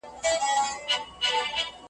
ویل سته خو عمل نسته .